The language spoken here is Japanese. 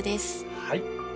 はい。